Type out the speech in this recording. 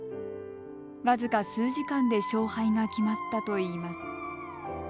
僅か数時間で勝敗が決まったといいます。